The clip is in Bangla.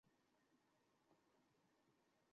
ব্যানে বিয়ালে বাড়ির পাশে ঘোরে যে রায়বারে।